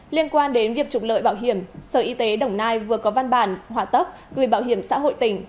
liên quan đến việc trục lợi bảo hiểm sở y tế đồng nai vừa có văn bản hỏa tốc gửi bảo hiểm xã hội tỉnh